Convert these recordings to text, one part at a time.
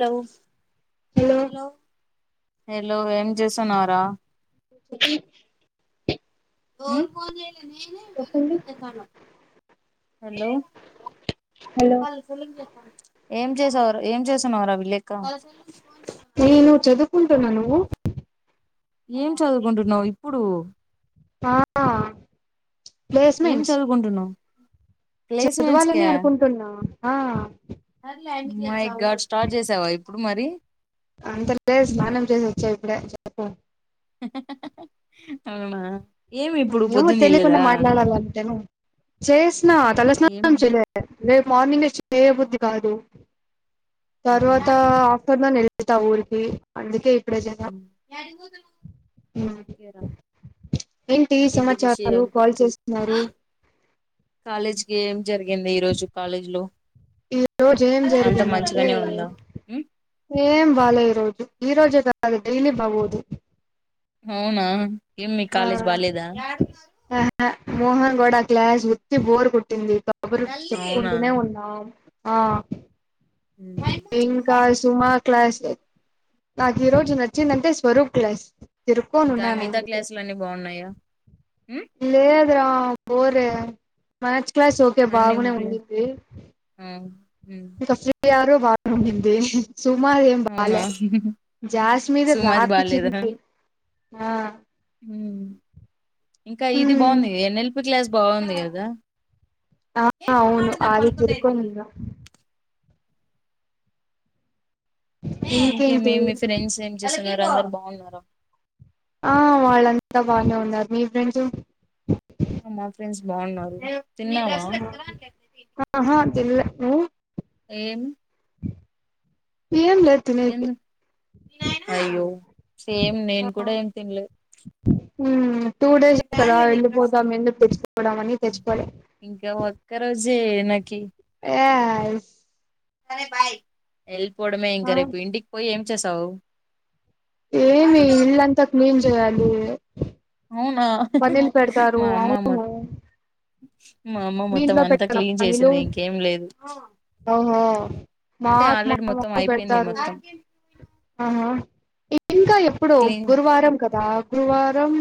Tongues hello hello ఏం చేస్తున్నావురా చె [inaudible] ఓల్ ఫోన్ చేయలే నేను వీడియో కాల్ చేస్తాన్న హెలో హలో హాలో సెల్లికి చేత్తాను ఏం చేసావురా ఏం చేస్తున్నవురా విలెక్క నేను చదువుకుంటున్నా నువ్వు ఏం చదువుకుంటున్నావు ఇప్పుడు ఆ ఏం ప్లేస్మెంట్స్ చదువుకుంటున్నవ్ చదవాలని అనుకుంటున్నా ఆ మై గాడ్ స్టార్ట్ చేసావా ఇప్పుడు మరి హు అంత లేదు స్నానం చేసి వచ్చా ఇప్పుడే చదుకు అవునా ఏమి ఇప్పుడు ఏమో పొద్దున్న తెలియకుండా చేయలేదా మాట్లాడాలాంటెను చేసిన తల ఏం స్నానం చేయలే రేపు మార్నింగ్ ఎ చేయబుద్ది కాదు తర్వాత ఆఫ్టర్నూన్ ఎల్ వెళ్తా ఊరికి అందుకే ఇప్పుడే చేసా హ్మ్ ఎంటి సమాచారాలు కాల్ చేస్తున్నారు కాలేజ్కి ఏం జరిగింది ఈ రోజు కాలేజీ లో ఈ రోజు ఏం అంత జరిగిందంటే మంచిగానే ఉందా ఉ ఏం బాలే ఈ రోజు ఈ రోజె కాదు డైలీ బాగోదు అవునా ఎమ్ మీ కాలేజ్ బాలేదా అ మోహన్ గోడ క్లాస్ ఉత్తి బోర్ కొట్టింది కబురు అవునా చెప్పుకుంటూనే ఉన్నాం ఆ ఇంకా సుమ క్లాస్ నాకు ఈ రోజు నచ్చిందంటే స్వరూప్ క్లాస్ ఇంకా తిరుక్కోనున్నా మిగతా క్లాసులు అన్ని బాగున్నాయా లేదు రా పోరే మ్యాచ్ క్లాస్ ఓకే అన్ని బాగునే ఉండిది ఇంక అసలే యారో బాత్ రూమ్ ఉనింది సుమ ఏం అవునా బాలే జాస్మి దే సుమది రాపి బాలేదా చింది ఆ హ్మ్ ఇంకా ఇది హ్మ్ బాగుంది ఎన్ ఎల్ పి క్లాస్ బాగుంది కదా ఆ అవును ఆ రీతిరుకో నుంద ఇంకేమ ఇంకేంటి మీ ఫ్రెండ్స్ ఏం చేస అందరు బాగున్నారు ఆ వాళ్ళంతా బాగానే ఉన్నారు మీ ఫ్రెంజ మా ఫ్రెండ్స్ బాగున్నారు తిన్నావా తిన్నాల్ ఏం ఏంలే ఎ అయ్యో సేమ్ నేను కూడా ఏం తినలేదు ఉ టూ డేస్ే కదా వెళ్ళిపోతాం ఎందుకు తెచ్చుకోవడం అని తెచ్చికోలే జ నాకి ఏ సరే బాయ్ పోడమేంరే ఇ ఇంటికి పోయి ఏం పంచ సవు ఏమి ఇల్లు అంత అది అవునా మా అమ్మా మ అ అవును మా అమ్మ మీ మొత్తం ఇంట్లో అంతా పెట్టరా క్లీన్ పన్నీలు చేసింది ఇంకేం లేదు ఓహో అంటే మాకు మా ఆల్రెడీ మొత్తం మమ్మీ అయిపోయింది పెడతారు మొత్తం ఆహా ఇ ఇంకా ఎప్పుడు క్లీన్ గురువారం క రా గురువారం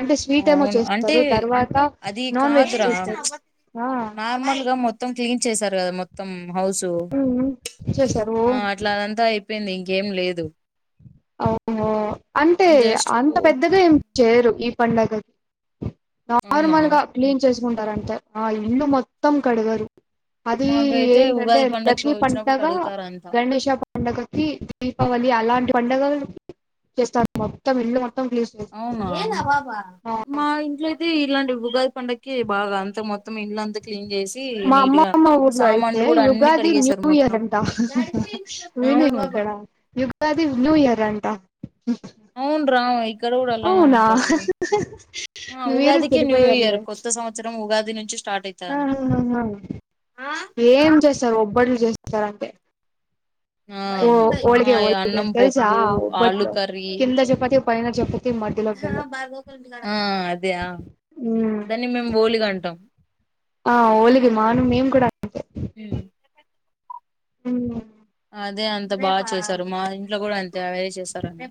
అంటే స్వీట్ ఏమో అవును అంటే చేస్తారు తర్వాత నాన్ వెజ్ చేస్తారు ఆ నా గా మొత్తం క్లీన్ చేశారు కదా మొత్తం హౌసు ఉమ్, చేశారు అట్లాదంతా చెప్పయింది ఇంకేం లేదు అవుహో అంటే జస్ట్ అంత పో పెద్దగా ఏం చేయరు ఈ పండుగ అవునా నార్మల్ గా క్లీన్ చేసి కుంటారంటే ఆ ఇన్ను మొత్తం కడగారు అది మాకైతే ఏంటంటే ఉగాది పండగకి లక్ష్మీ వచ్చినప్పుడు పండగ కడుగుతారు అంతా గణేష్ పండగకి దీపావళి అలాంటి పండగ చేస్తారు మొత్తం ఇల్లు మొత్ అవునా మా ఇంట్లోయితే ఇలాంటి ఉగాది పండగకి బాగ అంత మొత్తం ఇల్లంతా క్లీన్ చేసి మా నీట్ గా అమ్మమ్మ ఊర్లో అయితే సామాన్లు కూడా అన్ని యుగాది న్యూ కడిగేశారు ఇయర్ మొత్తం అంతా విను అవును ఇక్కడ ఉగాది న్యూ ఇయర్ అంటా అవును రా ఇక్కడ కూడా అలానే అవునా అంటారు మీరు ఉగాదికి న్యూ ఇయర్ సరిపోయారులే కొత్త సంవత్సరం ఉగాది నుంచి స్టార్ట్ అయితు ఏం చేస్తారు ఒబ్బ బట్లు చేస్తారంటే ఆ ఓ మా ఓలిగె ఓలిగె అన్నం తెలుసా పప్పు ఆలు ఒబ్బట్లు కర్రీ కింద చపాతి పైన చ చప ఆ అదే ఆ ఉమ్. దాన్ని మేము ఓలిగ అంటాం ఆ ఓలిగి మాను మేము కూడా మ్మ్ మ్మ్ అదే అంత బా చేశారు మా ఇంట్లో కూడా అన్ తే అవేనే చేస్తరండి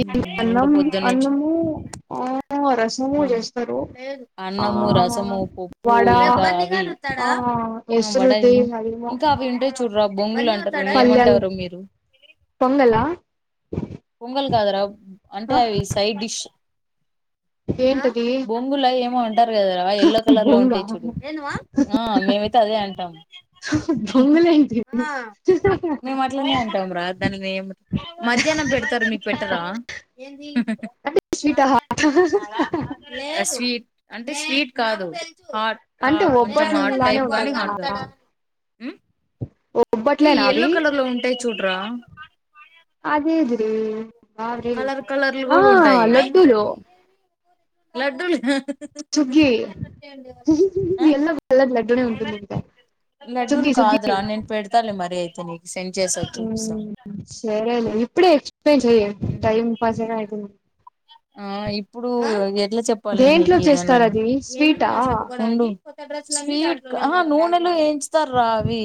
ఇంక ఇకా అన్నం పొద్దున్నంచి అన్నము ఆ రసము అ చేస్తారు ఆ అన్నము రసము పప్పు వడ ఇంకా ఆ అ వడ ఎసురుది ఏమి ఇంకా అవింటాయి చూడు రా బొంగులన్ పల్యాల్ పొంగలా పొంగల్ కాదరా అంటే ఆ అవి సైడ్ డిష్ ఏంటది బొంగులా ఏమో అన్ టార్ కదరా ఎల్లో కలర్లో బొంగ ఉంటాయి చూడు ఆ మేమైతే అదే అంటం బొంగలేంటి మేమట్లనే అంటాం రా దానిని మధ్యానం పెడత్ టర్ మీకు పెట్టరా అంటే స్వీట్ ఆహా స్వీట్ అంటే స్వీట్ కాదు హాట్ ఆ అంటే కొంచం ఆ ఒబ్బట్లానే టైప్ గానే ఉంటాయా [unintelligible] ఏ ఒబ్బట్లేనా యల్లో అవి కలర్ లో ఉంటాయి చూడు రా టీ కలర్ కలర్లు ఆ కూడా ఉంటాయి లడ్డూలు లడ్డూలు చుగ్గి ఆ ఎల్లో కలర్ లడ్డూనే ఉంటుంది ఇంక లడ్డూలు చుగ్గి సుగ్గి కాదురా నేను పెడతాలే మరి అయితే నీకు సెండ్ చేసా చూపిస్తా మ్ సరేలే ఇప్పుడే ఇచ [unintelligible] టైమ్ పాసయినా అయితుంది ఆ ఇప్పుడు ఎట్లా చెప్పాలి నేను దేంట్లో నీకి చేస్తారు దండ్లని అది స్వీటా ఉండు స్వీట్ ఆహా నూనెలో ఎన్ స్తార్ రా అవి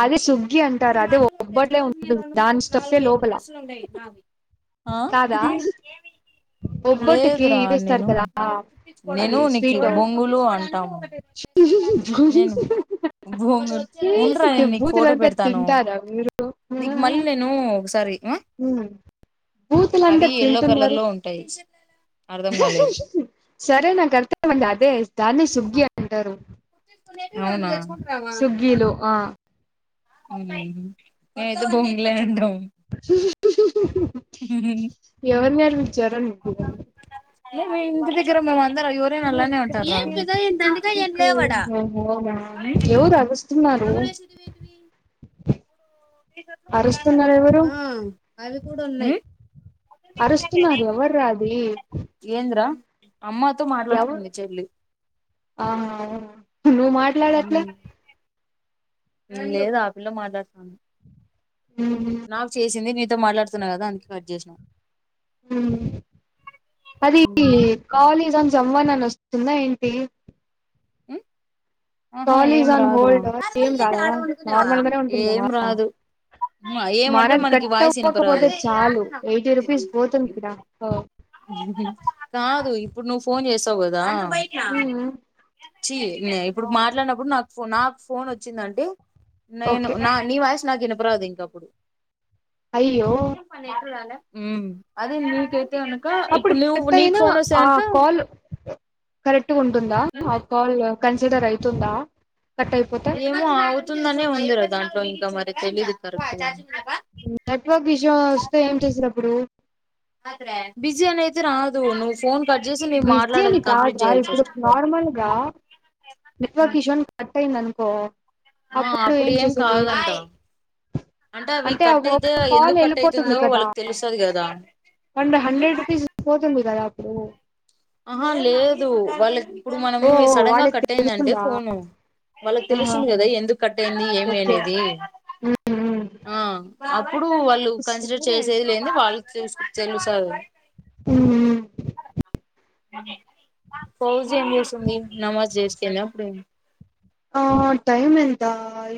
అదే సుగ్గి అంటారు ఇంగ అదే మాములుగా ఒబ్బట్లే తెచ్చుకోవల్సియదు ఉంటుంది దాని స్టఫే నాలుగు ఐదు లోపల డ్రెస్సులు ఉండయ్ నావి కాదా ఒబ్బొట్టుకి లేదురా ఇదేస్తారు నేను కదా అది నేను నీకు స్వీట్ బొంగులు అంటాము నేను బొంగులు ఉండరా ఏంటి నేను నీకు ఫోటో బూతులంతా పెడతాను తింటారా మీరు నీకు మళ్ళీ నేను ఒకసారి ఉమ్, బూతులంతా అవి ఎల్లో కలర్ తింటున్నారు లో [unintelligible] కాలేదు సరే నా కర్తమయింది అదే ఇస్తా అన్ని సుబ్ గ్గి అంటారు [inaudible] సగ్గిలో ఆ మేమయితే బొంగులే అంటాం. ఎవరుమీరు చరణ్ మీ ఇంటి దగ్గర అందర ఎవరైనా అలానే అంటారా ఎవరు ఆరుస్తున్నారు అవి కూడా ఉన్నాయి అరుస్తున్నారు ఎవర్రా అది ఏంద్ర [unintelligible] నువ్వు మాట్లాడట్లే లేదు ఆ పిల్ల మాట్లాడుతుంది నాకు చేసింది నిదు మాట్లాడుతున్నా కదా అందుక కట్ చేసినా అది కాలేజ్ అం జమ్మనని వస్తుందా ఏంటి ఉ కాల్ ఇజ్ ఆన్ హోల్డ్ ఏం రాదా నార్మల్ గానే ఏం ఉంటుందా రాదు ఏమంటే మనది మనకి కట్ వాయిస్ ఇనపరాదు అవ్వకపోతే చాలు ఎయిటీ రుపీస్ పోతుంది కద కాదు ఇప్పుడు నువ్వు ఫోన్ చేసావు గదా ఉమ్ ఉమ్ వచ్చి ఇప్పుడు మాట్లాడిన కూడా నాకు ఫోన్ నాకు ఫోన్ వచ్చిందంటే నేను ఓకే నా నీ వయసు కినిపి అపరాదు ఇంకప్పుడు అయ్యో ఏం పా నెట్ రాల ఉ అదే నీకైతే అప్పుడు ఇప్పుడు నువ్వు కరెక్ట్ నీకు అయినా ఫోన్ వస్తే ఆ కనుక కాల్ కరెక్ట్ ఉంటుందా ఆ కాల్ కరె రైతు ఉందా ఏమో ఆవుతుందనే ఉందిరా దాంట్లో ద మరి తెలీదు కరెక్ట్ నెట్వర్క్ ఇష్యూ వస్తే ఏం చేస్తాం ఇపుడు బిజీ అని ఐతే రాదు నువు ఫోన్ కట్ చేసి నేను బిజీ అని మాట్లాడాలి కంప్లీట్ కాదురా చేయాలి ఇప్పుడు ఫస్ట్ నార్మల్ గా నెట్వర్క్ ఇష్యూ అని కట్ అయిందనుకో ఓ అప్పుడు ఏం చేసేది అవి అంటే కట్ ఒక అయితే కాల్ ఎందుకు కట్ వెళ్ళిపోతుంది అయితుందో కదా వాళ్ళకి తెలుస్తది కదా ఉమ్, హండ్రెడ్ రూపీస్ పోతుంది కదా అప్పుడు ఆహా లేదు వాళ్ళకి ఇప్పుడు మనం ఓ సడన్ గా వాళ్ళకి కట్ అయిందంటే తెలుస్తుందా ఫోన్ వాళ్ళకి ఆహా తెలుసింది కదా ఎందుకు కట్ అయింది నీ ఏమి ఓకే అనేది ఆ అ ఇప్పుడు వాళ్ళు కన్సిడర్ సరే చేసేది అయితే లేదు వాళ్ళు తె తెలుసారు ఉమ్ [inaudible] ఫౌజ్ ఏం చూస్తుంది నమాజ్ చేస్తుంది ఎన్నప్పుడ ఆ టైమ్ ఎంత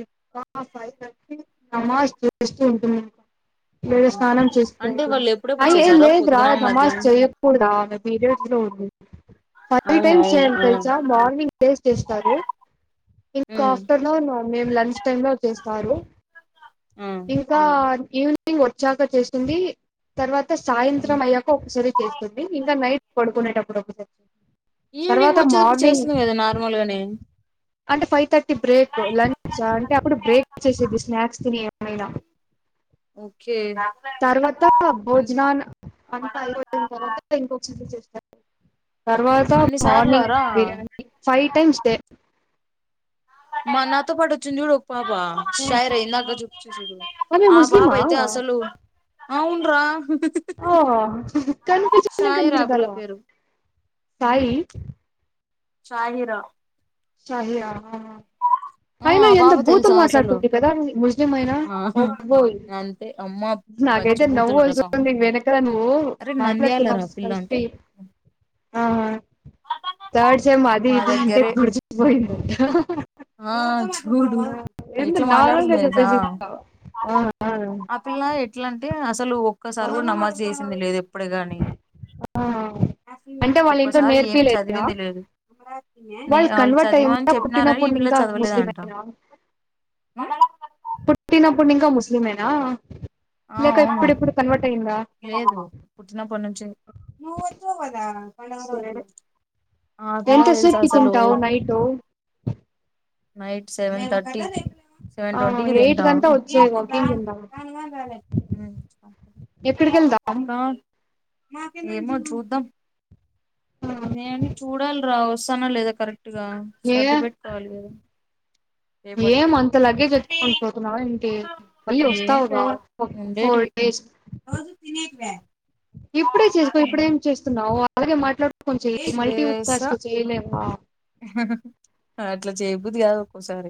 ఇకా ఫైవ్ థర్టీ నమాజ్ చేస్తూ ఉంటుంది లేద ఆహా. స్నానం చేసి అంటే పడుకో వాళ్ళు ఎప్పుడెప్పుడు ఆయ చేసారా లేదు రా పొద్దున నమాజ్ మధ్యాహ్నం చెయకూడా పీరియడ్స్ లో ఉ ఫైవ్ అవును టైమ్స్ అవును చెయాలి ఆ తెలుసా మార్నింగ్ టేస్ట్ చేస్తారు ఇంకా ఉమ్ ఆఫ్టర్నూన్ మేము లంచ్ టైమ్ లో చేస్తారు ఆ ఇంకా ఈవ ఈవెనింగ్ వచ్చాక చేస్తుంది తర్వాత ఉమ్ సాయంత్రం అయ్యాక ఒకసారి చేస్తుంది ఇంకా నైట్ పడుకునేటప్పుడు ఒకసారి ఈవినింగ్ తర్వాత వచ్చేదిప్పుడు మార్నింగ్ చేస్తుంది కదా నార్మల్ గానే అంటే ఫైవ్ థర్టీ బ్రేక్ లంచ్ అంటే అప్పుడు బ్రేక్ వచ్చేసేది స్నాక్స్ తి [unintelligible] ఓకే తర్వాత అంటే భోజనాన్ని అంతా అయిపోయిన తర్వాత ఇంకొకసారి స తర్వాత అన్ని మార్నింగ్ సార్లారా బిర్యానీ ఫైవ్ టైమ్స్ డే మనతో పాటు వచ్చింది చూడు పాప షైర్యిందక వచ్చింది చూడు ఆమె ఆ పాప ముస్లిమా అయితే అసలు అవున్రా ఆ కనిపించనే షాయిరా ఆ పిల్ల కనిపించదు పేరు షాయి షాయిరా షాయిరా ఆ అయిన ఆ ఎంత పాప బూతులు తెలుసా అసలు మాట్లాడుతుంది కదా ముస్లిం అయినా ఆ అమ్మ బాబోయ్ అంతే అమ్మ పచ్చి నాకైతే బూతులు రా సామి నవ్వొస్తుంది వెనకల నువ్వు అరే మాట్లాతన్నా నంద్యాలరా ఆ పిల్ల అంటే కలిసి ఆ థర్డ్ సేమ్ అది మా ఇది అంటే దగ్గరే గుర్చకుపోయిందంటా ఆ చూడు ఇట్లా మాట్లాడుతుంది నార్మల్గా తెలుసా చెప్పేసిస్తావ ఆ ఆ పిల్ల ఎట్లాంటే అస అసలు ఆ ఒక్కసారి కూడా నమాజ్ చేసింది లేదు ఎప్పుడు గాని ఆ అంటే వాళ్ళ ఇంట్లో ఒక్కసారి ఏం నేర్పిలేదా చదివింది లేదు నే వాళ్ళు ఆమెని కన్వర్ట్ చదువు అని అయ్యిందా చెప్పినానని ఇ పుట్టినప్పుడు పిల్ల ఇంకా ముస్లిమేనా మన లాగా పుట్టినప్పటి నింక ముస్లిమేనా అ లేక అవును, ఇప్పుడిప్పుడు కన్వర్ట్ అయ్యిందా లేదు పుట్టినప్పటి నుంచి సరే ఆ పిల్లకి తెలుసా ఎంతసేపు కి అసలు తింటావు నైట్ నైట్ సెవెన్ థ సేవన్ ఆ ట్వంటీ కి ఎయిట్ తింటాం కంతా వచ్చేయి వాకింగ్ కిందాం ఎక్కడికి వెళ్దాం ఏమో చూద్దాం నేను చూడాలి రావ వస్తానో లేదో కరెక్ట్ అట్టుగా ఏ సర్ది పెట్టుకోవాలి కదా రేపటికి ఏం అంత లగేజ్ ఎత్తుకుని పోతున్నావా ఏంటి మళ్ళీ ఏం వస్తావుగా లేదు ఫోర్ ఉండేటివి డేస్ ఇప్పుడే చేసుకో ఇప్పుడేం చేస్తున్నావు అలగే మాట్లాడు కొంచెం మల్టీ చేసా టాస్కులు చేయలేమా అట్లా చేయబుద్ధి కదు ఒక్కోసారి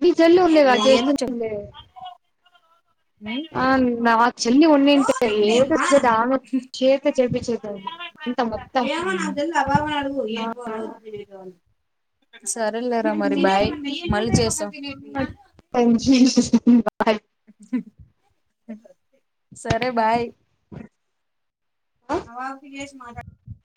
మీ చెల్లి ఉంది కద ఏందో చెప్ చేస్తుందిలే ఆ నవ చెల్లి ఉండింటే ఏదో చేత ఆమె చేత చేపించేదాన్ని ఎంత మొత్తం ఏమో నాకు తెలీదు ఆ పాపని అడుగు ఆ సరే లేరా మరి బాయ్ మళ్ళీ చేస్త [unintelligible] సరే బాయ్ అవాకి చేసి మాట్